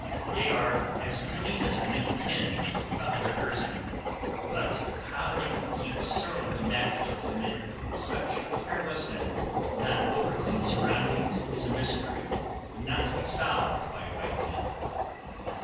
They are as clean as a new pin about their person, but how they can keep so immaculate amid such careless and not over clean surroundings is a mystery not to be solved by a white man.